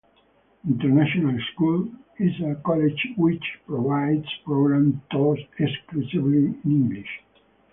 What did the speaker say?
The International School is a college which provides programs taught exclusively in English.